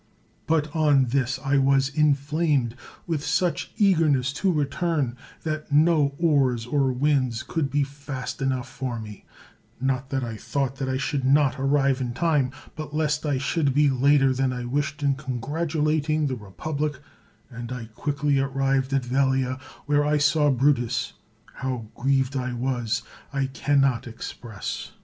But on this I was inflamed with such eagerness to return, that no oars or winds could be fast enough for me ; not that I thought that I should not arrive in time, but lest I should be later than I wished in congratulating the republic; and I quickly arrived at Velia, where I saw Brutus ; how grieved I was, I can not express.